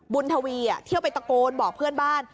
ทวีเที่ยวไปตะโกนบอกเพื่อนบ้าน